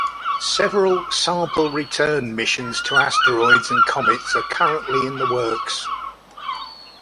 Several sample-return missions to asteroids and comets are currently in the works.